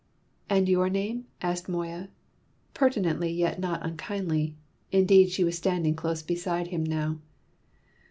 "And your name?" asked Moya, pertinently yet not unkindly; indeed she was standing close beside him now.